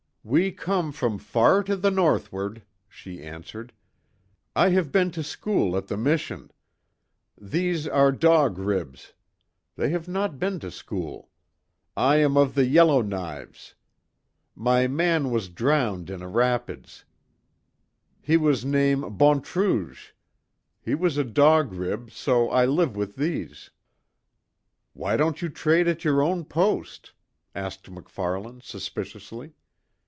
"We come from far to the northward," she answered. "I have been to school at the mission. These are Dog Ribs. They have not been to school. I am of the Yellow Knives. My man was drowned in a rapids. He was name Bonnetrouge. He was a Dog Rib so I live with these." "Why don't you trade at your own post?" asked MacFarlane, suspiciously.